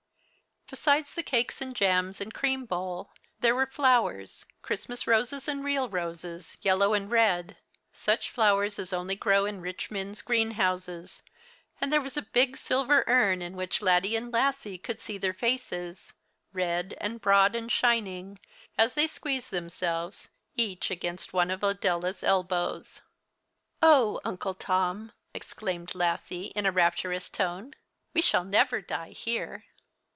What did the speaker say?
Besides the cakes and jams and cream bowl there were flowers: Christmas roses, and real roses, yellow and red such flowers as only grow in rich men's greenhouses; and there was a big silver urn in which Laddie and Lassie could see their faces, red and broad and shining, as they squeezed themselves each against one of Adela's elbows. "O Uncle Tom," suddenly exclaimed Lassie, in a rapturous voice, "we shall never die here!"